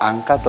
kamu ngerti cak